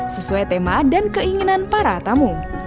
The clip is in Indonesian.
sesuai tema dan keinginan para tamu